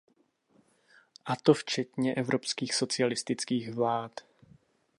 A to včetně evropských socialistických vlád.